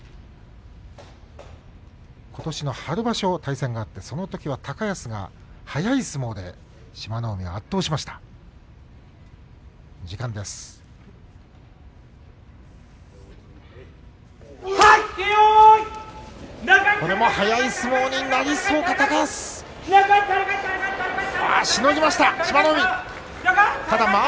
ことしの春場所対戦があって、そのときは高安が速い相撲で志摩ノ海を圧倒しました。